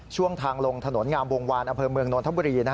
ช่วงทางลงถนนงามวงวานอำเภอเมืองนนทบุรี